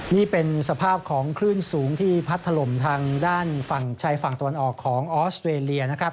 นี่เป็นสภาพของคลื่นสูงที่พัดถล่มทางด้านฝั่งชายฝั่งตะวันออกของออสเตรเลียนะครับ